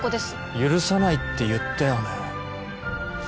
許さないって言ったよね